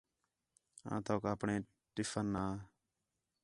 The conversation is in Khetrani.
آں تَوک آپݨے ٹفن آ